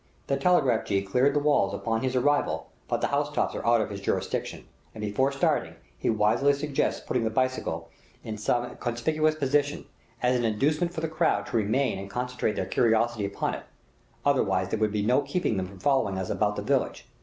The telegraph gee cleared the walls upon his arrival, but the housetops are out of his jurisdiction, and before starting he wisely suggests putting the bicycle in some conspicuous position, as an inducement for the crowd to remain and concentrate their curiosity upon it, otherwise there would be no keeping them from following us about the village.